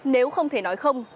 nếu không thể nói không